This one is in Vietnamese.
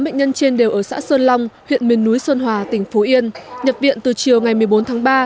chín bệnh nhân trên đều ở xã sơn long huyện miền núi sơn hòa tỉnh phú yên nhập viện từ chiều ngày một mươi bốn tháng ba